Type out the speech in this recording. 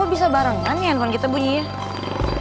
kok bisa barengannya handphone kita bunyinya